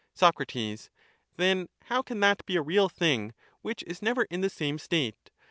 Soc. Then how can that be a real thing which is never in the same state?